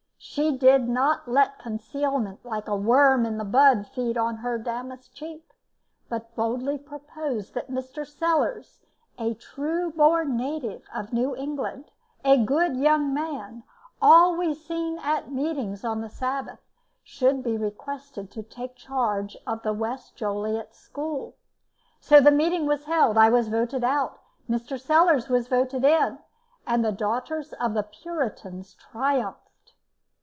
She did not "let concealment like a worm i' th' bud feed on her damask cheek," but boldly proposed that Mr. Sellars a true born native of New England, a good young man, always seen at meetings on the Sabbath should be requested to take charge of the West Joliet school. So the meeting was held: I was voted out, Mr. Sellars was voted in, and the daughters of the Puritans triumphed.